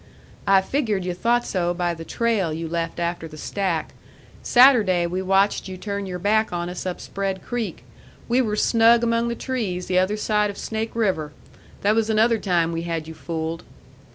"I figured you thought so by the trail you left after the stack. Saturday we watched you turn your back on us up Spread Creek. We were snug among the trees the other side of Snake River. That was another time we had you fooled."